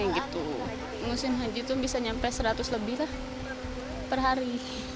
jadi musim haji itu bisa sampai seratus lebih per hari